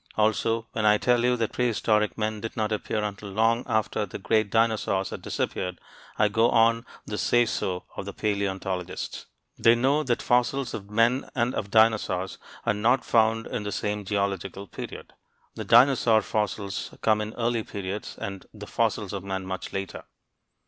Also, when I tell you that prehistoric men did not appear until long after the great dinosaurs had disappeared, I go on the say so of the paleontologists. They know that fossils of men and of dinosaurs are not found in the same geological period. The dinosaur fossils come in early periods, the fossils of men much later.